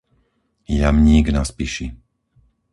Jamník na Spiši